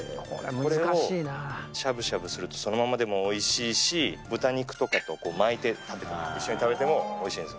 これをしゃぶしゃぶするとそのままでもおいしいし豚肉とかとこう巻いて一緒に食べてもおいしいんです